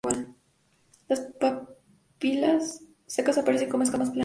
Las papilas secas aparecen como escamas planas.